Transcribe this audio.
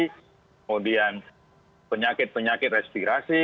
kemudian penyakit penyakit respirasi